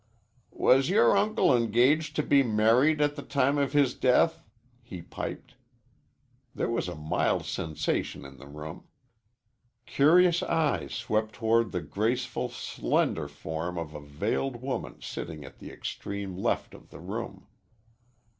"Was your uncle engaged to be married at the time of his death?" he piped. There was a mild sensation in the room. Curious eyes swept toward the graceful, slender form of a veiled woman sitting at the extreme left of the room.